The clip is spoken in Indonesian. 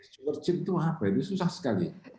chiropractic itu apa itu susah sekali